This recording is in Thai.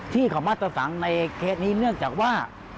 ที่เขามาตรสังในเคสนี้เนื่องจากว่า